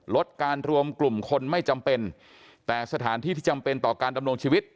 ลดการรวมกลุ่มคนไม่จำเป็นแต่สถานที่ที่จำเป็นต่อการดำรงชีวิต